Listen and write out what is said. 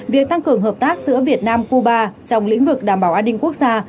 việc tăng cường hợp tác giữa việt nam cuba trong lĩnh vực đảm bảo an ninh quốc gia